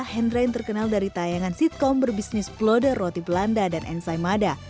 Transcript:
hendra yang terkenal dari tayangan sitkom berbisnis flode roti belanda dan ensai mada